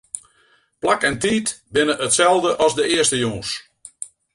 Plak en tiid binne itselde as de earste jûns.